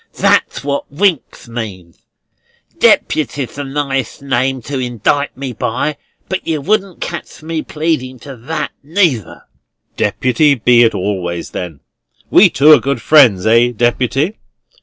That's what Winks means. Deputy's the nighest name to indict me by: but yer wouldn't catch me pleading to that, neither." "Deputy be it always, then. We two are good friends; eh, Deputy?"